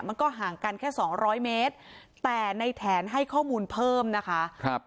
มันก็ห่างกันแค่สองร้อยเมตรแต่ในแถนให้ข้อมูลเพิ่มนะคะครับ